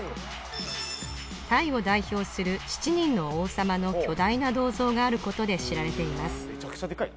タイを代表する７人の王様の巨大な銅像があることで知られています